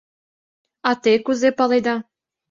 — А те кузе паледа?